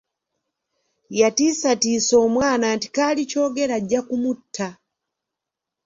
Yatiisatiisa omwana nti kaalikyogera ajja kumutta.